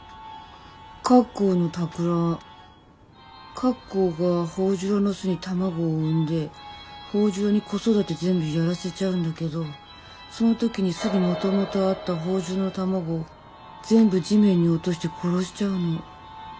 カッコウがホオジロの巣に卵を産んでホオジロに子育て全部やらせちゃうんだけどその時に巣にもともとあったホオジロの卵を全部地面に落として殺しちゃうの。